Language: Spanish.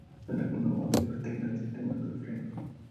En algunos modelos se utilizan sistemas de frenos.